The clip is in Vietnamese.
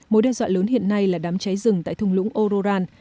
mối đe dọa lớn hiện nay là đám cháy rừng tại thùng lũng ororan